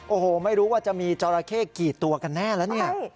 โอ้โหไม่รู้ว่าจะมีจราเข้กี่ตัวกันแน่แล้วเนี่ย